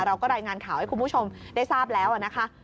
เราก็รายงานข่าวให้คุณผู้ชมได้ทราบแล้วนะคะ